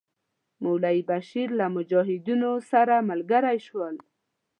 مولوی بشیر له مجاهدینو سره ملګري شول.